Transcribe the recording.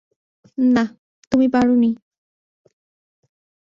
না, তুমি পারোনি।